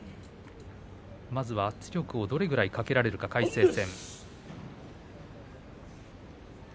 まずは圧力をどれぐらいかけられるか魁聖戦。